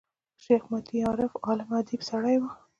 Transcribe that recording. شېخ متي عارف، عالم او اديب سړی وو.